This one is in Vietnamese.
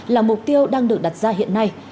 là mục tiêu đang được đặt ra hiện nay